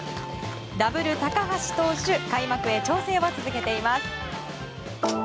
ダブル高橋投手開幕へ調整を続けています。